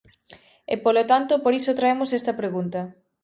E, polo tanto, por iso traemos esta pregunta.